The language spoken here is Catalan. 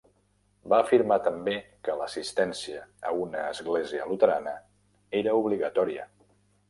Va afirmar també que l'assistència a una església luterana era obligatòria.